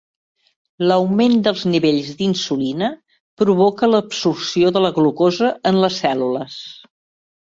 L'augment dels nivells d'insulina provoca l'absorció de la glucosa en les cèl·lules.